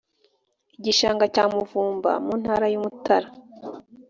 igishanga cya muvumba mu ntara y’umutara,